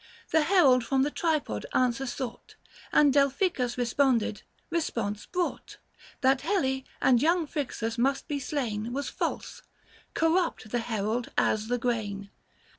The herald from the tripod answer sought, And Delphicus responded: resjDonse brought, 915 That Helle and young Phryxus must be slain Was false ; corrupt the herald as the grain.